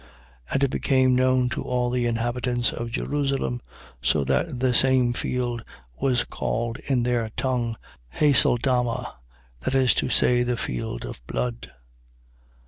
1:19. And it became known to all the inhabitants of Jerusalem: so that the same field was called in their tongue, Haceldama, that is to say, The field of blood.